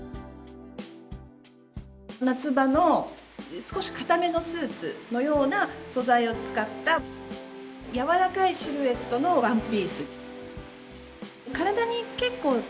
夏場の少し硬めのスーツのような素材を使った柔らかいシルエットのワンピース。